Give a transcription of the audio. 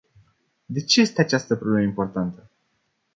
De ce este această problemă importantă?